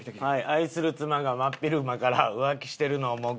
愛する妻が真っ昼間から浮気してるのを目撃した顔。